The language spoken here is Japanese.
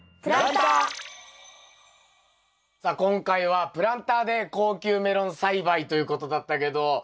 さあ今回はプランターで高級メロン栽培ということだったけどいや